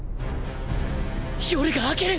夜が明ける！